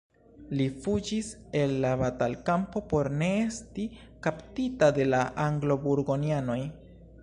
Li fuĝis el la batalkampo por ne esti kaptita de la anglo-burgonjanoj.